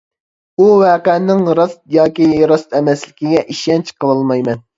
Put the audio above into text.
ئۇ ۋەقەنىڭ راست ياكى راست ئەمەسلىكىگە ئىشەنچ قىلالمايمەن.